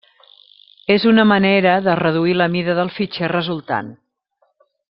És una manera de reduir la mida del fitxer resultant.